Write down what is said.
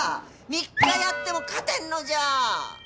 ３日やっても勝てんのじゃ！